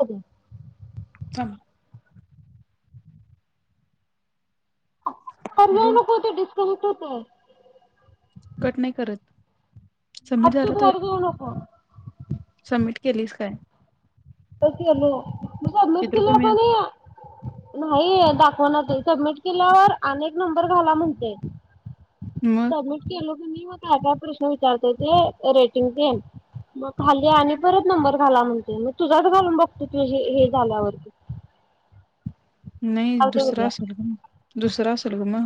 री ह. हॅलो बाहेर जाऊ नको. हम. कट नाही करत. सबमिट आपचु झाला तर बाहेर जाऊ नकै सबमिट केलीस काय? कसल मी सबमिट किती केलं रुपये मिळाले नाही. फोन सबमिट केल्यावर अनेक नंबर घाला म्हणते मग सबमिट केलंो की नाही मग का? प्रश्न विचारताय ते रेटिंग ते मग झाली आणि परत नंबर घाला म्हण. [unintelligible] तुझाच घालून बघतो तुझे हे झाल्यावरती. नाही चालते दुसरा बघूया असलं. दुसरा असलं ग म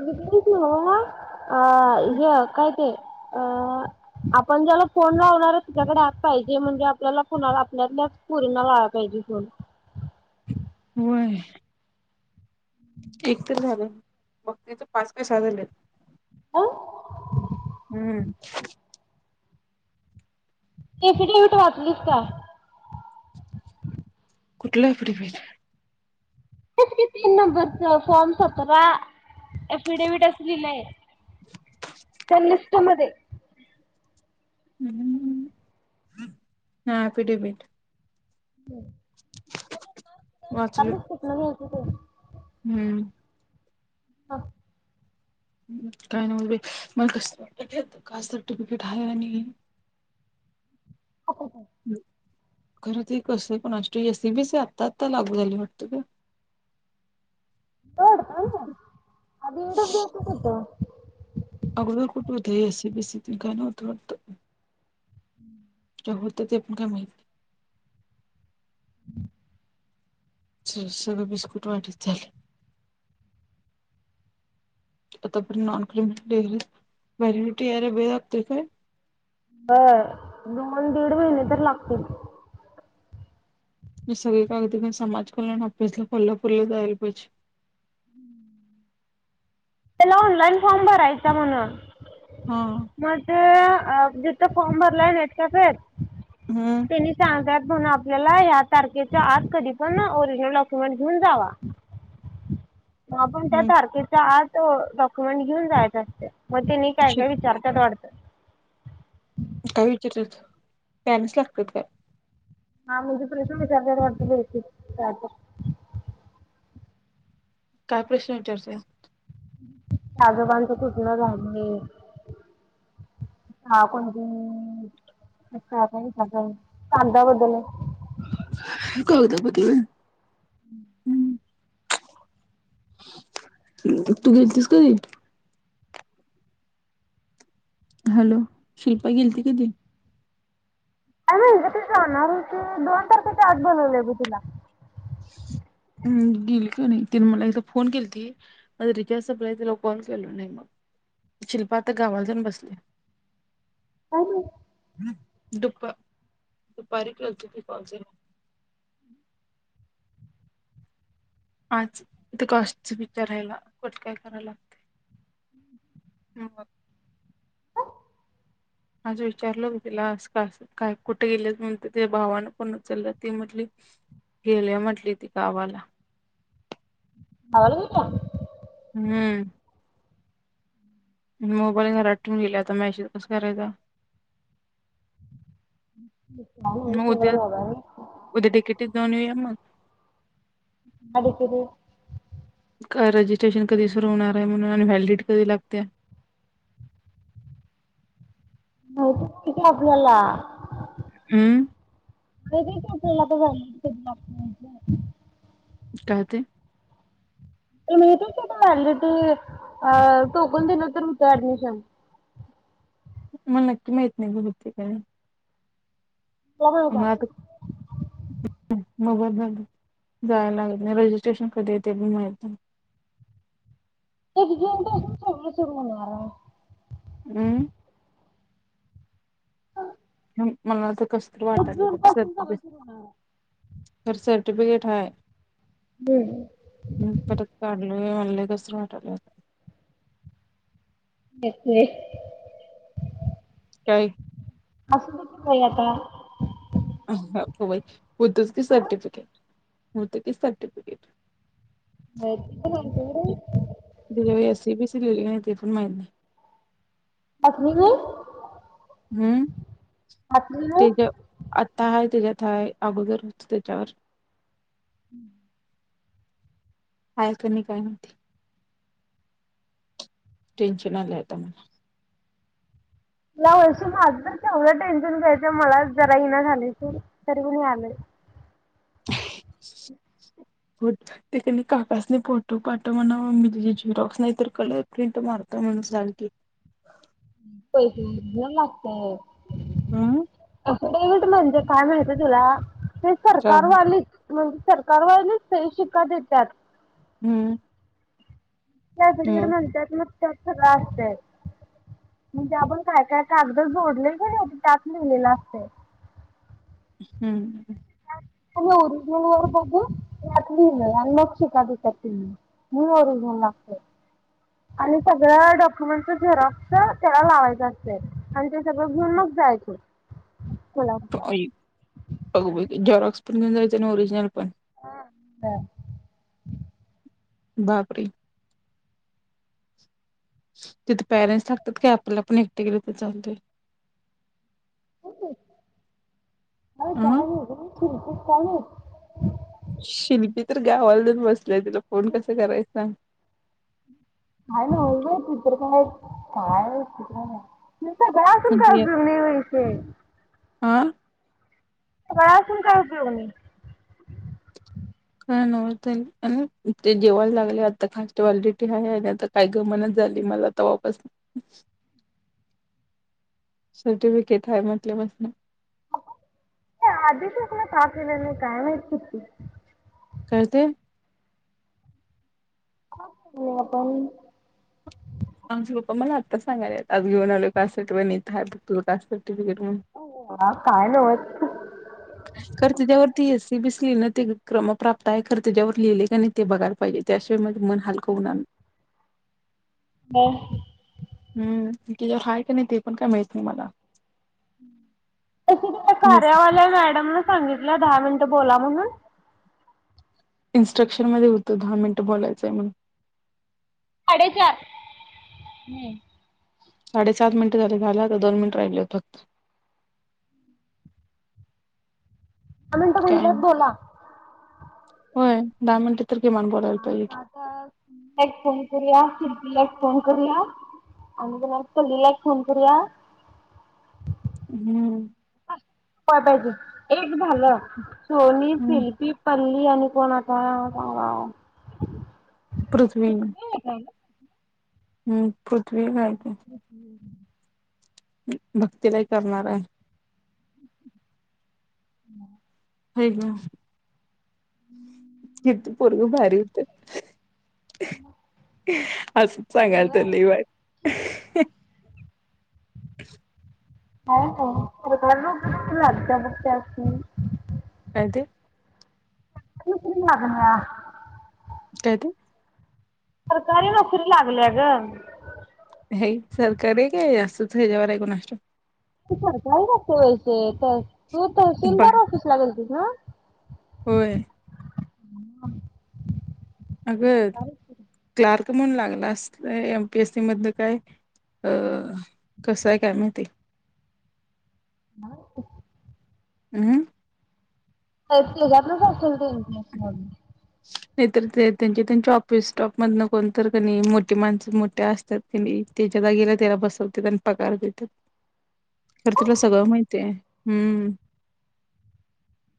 काय ते नव्ह अ काय ते आपण ज्याला फोन लावणार त्यांच्याकडे एप पाहिजे म्हणजे आपल्याला कोणाला आपल्यातलाच पुरींना लावायला पाहिजे फोन. होय. एक तर झालं मग त्याच पाच पैसा झाले. अ हम्म. ते [unintelligible] तु वाचलीस का? कुठला? [unintelligible] तेच की, तीन नंबरच फॉर्म सतरा अफिडेविडफ लिलय [unintelligible] [unintelligible] हा अफिडेविट हम्म! वाचलोय [unintelligible] हो हम्म! हा काय नव्हच बाई मला कस कास्ट सर्टिफिकेट हाय आणि [unintelligible] खरं ते कसं कोणास ठावूक एसीबीस आत्ता आता लागू झालयं वाटतं ग. [unintelligible] अगोदर कुठं होत. एसीबीसी तेन काय? नव्हतं वाटतं. [inaudible] होत, ते आपण काय माहित? सगळं बिस्कुट वाटचं झाले. [unintelligible] यायला वेळ लागतोय काय? [unintelligible] दीड महिने तर लागतील. हि सगळी कागद घेवून समाज कल्याण आँफिसला कोल्हापुरला जायला पाहिजे. त्याला ऑनलाइन फॉर्म भरायचा म्हणून, हा माझं अ जिथं फॉर्म भरलाय नेट कॅफेत हम्म तेनी सांगत्यात. म्हणून आपल्याला ह्या तारखेच्या आत कधी पण ओरिजनल डॉक्युमेंट घेऊन जावा. आपण त्या हम्म तारखेचा आत तो डॉक्युमेंट घेऊन, जायच असतयं. मग तेनी काय काय विचार [unintelligible] काय विचारत्यात, पँरेट्स लागत्यात काय? हा म्हणजे प्रश्न विचारत्यात वाटतं, बहुतेक. काय प्रश्न विचारत्यात? [unintelligible] [unintelligible] तू गेलतीस कधी? हॅलो! शिल्पा गेलती, कधी? अरे उद्या ती जाणार होती, दोन तारखेच्या आत बोलवलयं बघं तिला. गिलक नाही तिने मला एकदा फोन केली ती रिचार्जला तिला कॉल केल नाही मग शिल्पा आता गावाला जाऊन बसले. का दुप दुपारी कलते त कॉलते. आजथ कास्च विचारायला कठ काय कराय लागते. आजं विचारलं तिला अस का काय कुठे गेले म्हणते त भावानं पण उचललं ती म्हटली गेल्या म्हटली ती गावाला. गावाला गेल्या हम्म मोबाईल घरात ठेऊन गेल्या आता मॅसेज कस करायचा. भेटला काय नाही मग उद्या सगळं मोबाईल उद्या डी के टी जाऊन येऊया मग. डी के टी रजिस्ट्रेशन कधी सुरू होणार आहे म्हण अनव्हलिड कधी लागते. कळतय की आपणला हम्म कळल आपल्याला व्हॅलिडीटी कधी लागते काय ते ते माहिती आहे का आता ऑर्गेटी अ टोकन दिलं तर होतंय ऍडमिशन. मला नक्की माहित नाही, मग बघते काय. तुला माहित मग आहे [inaudible] मग बरं झालं जायायला लागत नाही. रजिस्ट्रेशन कधी आहे ते पण माहित नाही. तेच जून पासून सगळं सुरू होणार आहे. अं. मला तर कसतर आहे एक वाटायलय जून बघ. पासून [inaudible] सगळं सुरू होणार आहे. बर सर ते बिगट हाय. हम्म. मी परत काढलोय ऑनलाईन. कसं तर वाटायलंय. [inaudible] काय? असू दे की बाई आता. अग बाई हुतच की हां सर्टिफिकेट. हुत की सर्टिफिकेट. [unintelligible] यात सी बी सी लिहिले नाहीत. ते पण माहीत नाही. अखनी घेऊ? हम्म तेज आता आहे त्याच्यात. हाय अगोदरच त्याच्यावर. हम्म. हाय का नाही काय माहिती, टेन्शन आलंय आता मला. या वर्षी माझं तर तेवढ टेन्शन घ्यायचं मला जरा येईना झालय सोड. तरी मी आलोय. काकासनी फोटो पाठव म्हणावं मी तिच्या झेरॉक्स नाही तर कलर प्रिंट मारतो म्हणून सांग की. पहिलीतनं लागतंय. हम्म. डेमिट म्हणजे काय माहित आहे तुला? ते का सरकारवालीच म्हणजे सरकार वाणी सही शिक्का देत्यात. हम्म. ते असत तिकड मग म्हणत्यात म्हणून. त्यात सगळं असतंय. म्हणजे आपण काय काय कागद जोडलंय कानी, ते त्यात लिहिलेलं असतंय. हम्म. तुम्ही ओरिजिनल वर बघू त्यात लिहलं आणि मग शिक्का देत्यात तेनी मग ओरिजनल लागतय आणि सगळं डॉक्युमेंटच झेरॉक्स त्याला लावायचं असतंय. आणि ते सगळं घेऊन मग जायचं. कोल्हापूरला आई अगं बाई ते झेरॉक्स घेऊन जायचं आणि ओरिजनल पण. हा. बापरे! तिथे पेरेंट्स लागतात का, आपला आपण एकट गेलं तर चालतंय? हो. हाय का अ [unintelligible] एवढेच. [unintelligible] शिल्पी तर गावाला जाऊन बस - - ल्या. तिला फोन कसं करायचं सांग? काय नव्हचं बाई ती तर काय काय विचित्र हाय. तिजं सगळं असुन काय उपयोग नाही वैशे - - आं. सगळ असुन काय उपयोग नाही. काय नव्हचं ते आणि ते जिवाला लागलं आता खास [unintelligible] हाय आणि आता काय गमनाचं झाली मला तवा पसन- - सर्टिफिकेट हाय म्हटल्या पसन. आधी च आपला का केलं नाही काय माहिती शिल्पी - - काय ते? आपण - - आमचे पप्पा मला आत्ताच सागायल्यात. आज घेऊन आलो पास. आठवणीत आहे बघ तुजा. ह काय नव्हच. खर त्याच्यावरती एसी बिसी न ते क्रम प्राप्त आहे खर त्याच्यावर लिहिले का नाही ते बघायला पाहिजे. त्याशिवाय माझं मन हलक हुनार नाही. हम. हं. हम् तेच्यावर हाय काय नाही ते पण काय माहित नाही मला. कार्या वाल्या मॅडम न सांगितलं दहा मिनट बोला म्हणुन. इन्स्ट्रक्शन मध्ये होतं दहा मिनिटं बोलायचंय म्हणून. साडेचार. हम्. साडेसात मिनिट झाले झाला आता दोन मिनिट राहिल्यान फक्त. दहा मिनिट काय म्हटल्या नाही. बोला. होय. दहा मिनिटं तर किमान बोलायला पाहिजे की आता एक फोन करूया. कीर्ती ला एक फोन - - करूया आणि पल्ली ला एक फोन करूया. हम्म. काय पाहिजे? एक झालं सोनी, हम्म शिल्पी, प पल्ली आणि कोण आता सांगा. [unintelligible] पृथ्वी. [unintelligible] हम्म. पृथ्वी नाई काय? भक्तीला एक करणार आहे. [unintelligible] व्हय ग. किती पोरग भारी होत, असंच सांगालत लै वाईट. [unintelligible] [unintelligible] [inaudible] [unintelligible] काय ते. सरकारी नोकरी लागल्या ग. हाई सरकारी काय जास्त हेज्यावरच हाय कोणास ठाऊक. तो सरकारी जातोय वैशे त तू ठाऊक बा तहसीलदार ऑफीसला गेलातीस. हं [unintelligible] [inaudible] होय. [unintelligible] अग क्लारक म्हणून लागला अस एम पी एस सी मधन काय कस हाय काय माहिती. [unintelligible] हम्म. [unintelligible] त्यातलच असल [unintelligible] नाही तर ते त्यांच्या त्यांच्या ऑफिस स्टॉप मधन कोण तर कणी मोठीे माणसं मोठ्या असतात कनी त्याच्या जागेला त्याला बसवतात आणि पगार देत्यात, खर तेला सगळं माहिती हाय. हम्म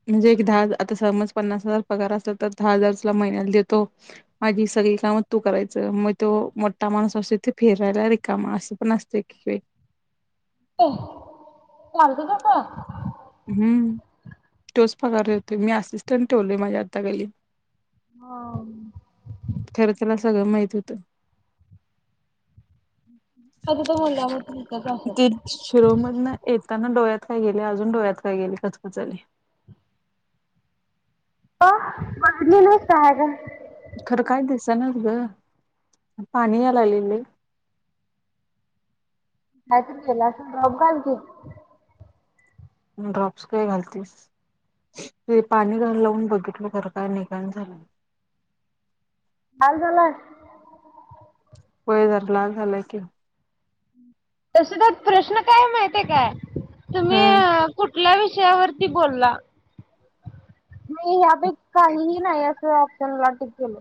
म्हणजे एक दहा आता समज पन्नास हजार पगार असला तर दहा हजार तुला महिन्याला देतो माझी सगळी कामं तू करायचं, मग तो मोठा माणूस असतोय तो फिरायला रिकामा असं पण असतं की [unintelligible] चालतंय तस. हम्म तोच पगार देतोय, मी असिस्टंट ठेवलय माझ्या हाताखाली. हा खर तेला सगळं माहित होत. [unintelligible] आता तो मुलगा मग तिथंच असेल. ते शिरोळ मधन येताना डोळ्यात काय गेले अजून डोळ्यात काय गेले खचकचा लय. मग बघितली नाहीस काय हाय काय. खरं काय दिसणाच ग, पाणी या लागलय लय. कायतरी गेल असल ड्रॉप घाल की. ड्रॉप्स काय घालतीस, ते पाणी लावून बघितलो खरं काय निघाना झालंय. लाल झालाय? होय जरा लाल झालाय कि. तस तर प्रश्न काय महित आहे काय तुम्ही हम्म कुठ कुठल्या विषयावरती बोलला यापे काहीही नाही असं ला ट केल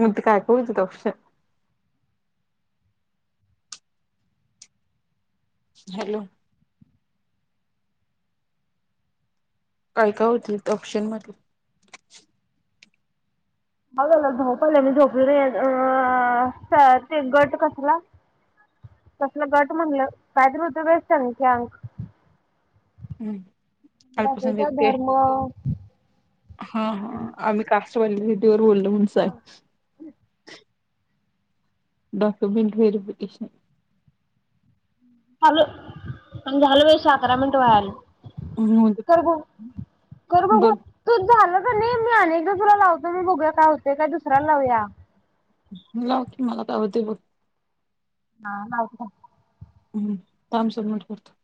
मुद कायकत तौश हॅलो. काय काय होतील ऑप्शनमध्येध्ये बला ाऊ पहिलं मी झोपले र ते गट कसला कसला गट म्हटलं कायतरी होत बेट संख अंक हम्म. दाखवत्या अल्पसंख्याकक धर्म हा हा आम्ही का? [unintelligible] बोलो म्हणुन सांग. Document verification. झालं आणि झालं व्यवस्थित अकरा मिनीट व्हायलीत. कर बघु, कर बघु बर तूच झाल ना नाही मी अनेकदा तुला लावतो मी बघूया काय होते काय दुसऱ्याला लावूया. लाव की मला काय हुतयं बघ. हा लावतो. हम्म, थांब सबमिटम करतो.